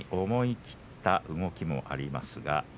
思い切った動きもあります。